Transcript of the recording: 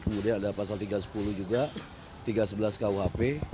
kemudian ada pasal tiga sepuluh juga tiga sebelas kuhp